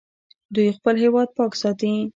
دوی خپل هیواد پاک ساتي.